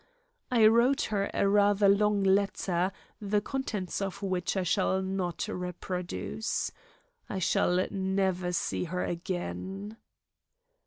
I wrote her a rather long letter, the contents of which I shall not reproduce. I shall never see her again.